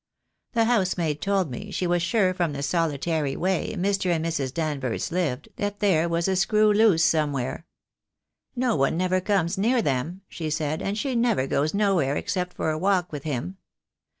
The housemaid told me she was sure from the solitary way Mr. and Mrs. Danvers lived that there was a screw loose somewhere. 'No one never comes near them,' she said, 'and she never goes nowhere except for a walk with him.